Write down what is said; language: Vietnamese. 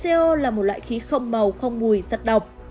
khí co là một loại khí không màu không mùi giật độc